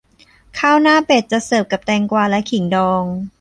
ข้าวหน้าเป็ดจะเสิร์ฟกับแตงกวาและขิงดอง